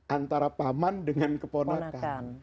antara paman dengan keponakan